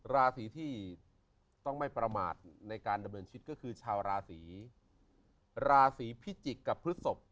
ราศีที่ต้องไม่ประมาทในการดำเนินชีวิตก็คือชาวราศีราศีพิจิกษ์กับพฤศพ